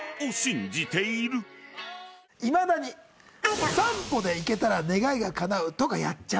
いまだに３歩でいけたら願いがかなうとかやっちゃう。